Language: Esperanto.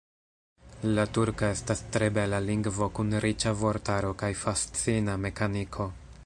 La turka estas tre bela lingvo kun riĉa vortaro kaj fascina mekaniko.